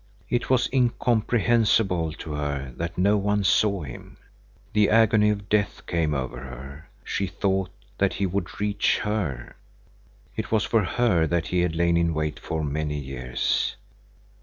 It was incomprehensible to her that no one saw him. The agony of death came over her. She thought that he would reach her. It was for her that he had lain in wait for many years.